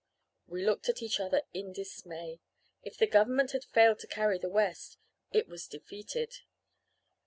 "We looked at each other in dismay. If the Government had failed to carry the West, it was defeated.